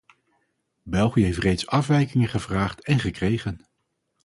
België heeft reeds afwijkingen gevraagd en gekregen.